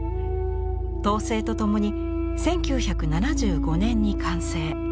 「濤声」と共に１９７５年に完成。